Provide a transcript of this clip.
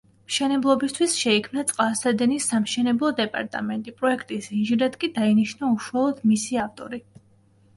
მშენებლობისთვის შეიქმნა „წყალსადენის სამშენებლო დეპარტამენტი“, პროექტის ინჟინრად კი დაინიშნა უშუალოდ მისი ავტორი.